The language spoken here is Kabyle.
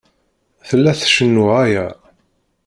Tella tcennu ɣaya.